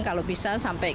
kalau bisa sampai kita